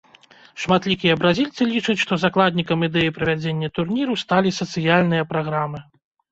Шматлікія бразільцы лічаць, што закладнікам ідэі правядзення турніру сталі сацыяльныя праграмы.